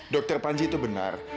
dokter panji itu benar